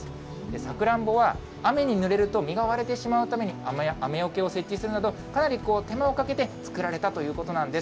さくらんぼは、雨にぬれると実が割れてしまうために雨よけを設置するなど、かなり手間をかけて作られたということなんです。